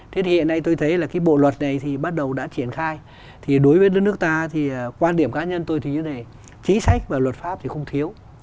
thế thì hiện nay tôi thấy là cái bộ luật này thì bắt đầu đã triển khai thì đối với đất nước ta thì quan điểm cá nhân tôi thì như thế này chính sách và luật pháp thì không thiếu